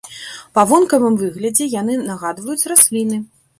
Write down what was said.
Па вонкавым выглядзе яны нагадваюць расліны.